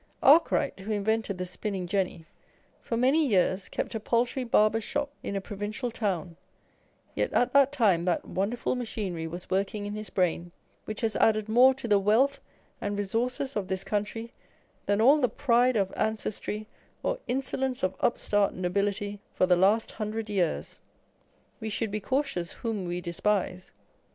Arkwright, who invented the spinning jenny, for many years kept a paltry barbers shop in a provincial town : yet at that time that wonderful machinery was working in his brain, which has added more to the wealth and resources of this country than all the pride of ancestry or insolence of upstart nobility for the last hundred years. We should be cautious whom we despise.